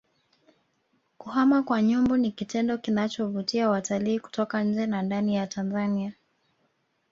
kuhama kwa nyumbu ni kitendo kinachovutia watalii kutoka nje na ndani ya Tanzania